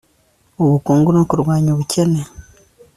ubukungu no kurwanya ubukene